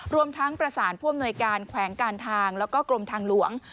รวมทั้งประสานผู้อำนวยการแขวงการทางแล้วก็กรมทางหลวง